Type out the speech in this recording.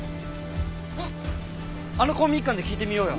あの公民館で聞いてみようよ。